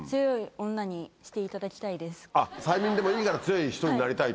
あっ催眠でもいいから強い人になりたいと。